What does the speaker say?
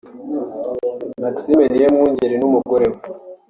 Maxime Niyomwungeri n’umugore we